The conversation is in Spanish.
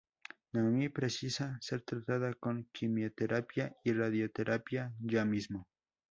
Naomi precisa ser tratada con quimioterapia y radioterapia ya mismo.